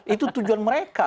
itu tujuan mereka